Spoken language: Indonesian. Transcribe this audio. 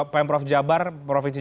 pm prof jabar provinsi